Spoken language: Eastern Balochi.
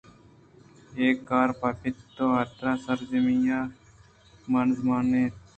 اے کار پہ پت ءِ حاترا سرجمی ءِ مانزمان نہ اِنت